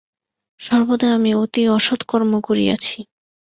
সর্বদা আমি অতি অসৎ কর্ম করিয়াছি।